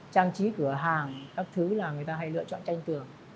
trang trí cửa hàng các thứ là người ta hay lựa chọn tranh tường